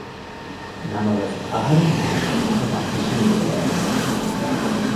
ނަމަވެސް އަހަރެން މީނީ ހަމަ އިށިއިނދެލައިގެން